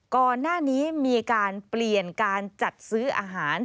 ก่อนหน้านี้มีการเปลี่ยนการจัดซื้ออาหาร